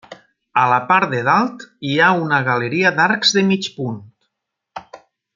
A la part de dalt hi ha una galeria d'arcs de mig punt.